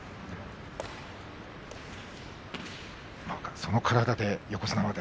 その体で横綱まで。